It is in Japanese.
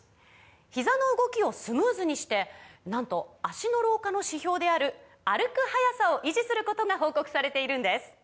ひざの動きをスムーズにしてなんと脚の老化の指標である歩く速さを維持することが報告されているんです